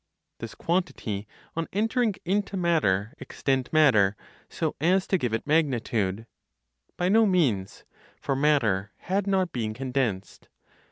Does quantity, on entering into matter extend matter, so as to give it magnitude? By no means, for matter had not been condensed.